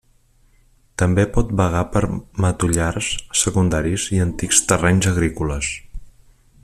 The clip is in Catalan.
També pot vagar per matollars secundaris i antics terrenys agrícoles.